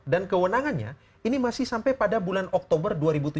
dan kewenangannya ini masih sampai pada bulan oktober dua ribu tujuh belas